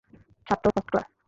ছাদটাও first class!